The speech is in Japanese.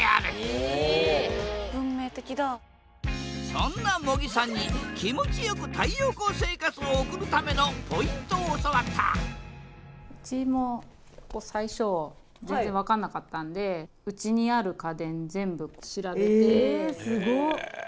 そんな茂木さんに気持ちよく太陽光生活を送るためのポイントを教わったうちも最初全然分かんなかったんでえすごっ。